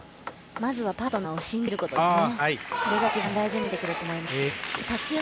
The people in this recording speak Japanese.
まずはパートナーを信じることですね。